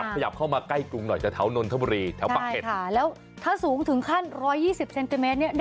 ขยับเข้ามาใกล้กรุงหน่อยจากแถวนนทบุรีแถวปากเห็ดแล้วถ้าสูงถึงขั้น๑๒๐เซนติเมตรเนี่ย